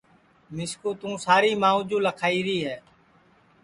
مِسکُو توں ساری مانٚو جُو لکھائیری ہے